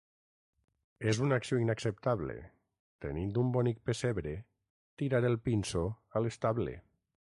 És una acció inacceptable, tenint un bonic pessebre, tirar el pinso a l'estable.